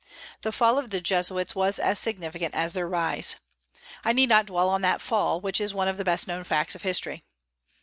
The fall of the Jesuits was as significant as their rise. I need not dwell on that fall, which is one of the best known facts of history.